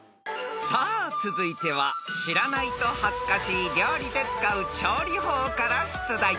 ［さあ続いては知らないと恥ずかしい料理で使う調理法から出題］